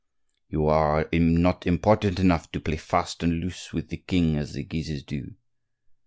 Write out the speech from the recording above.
You are not important enough to play fast and loose with the king as the Guises do.